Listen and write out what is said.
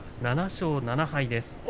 ７勝７敗です。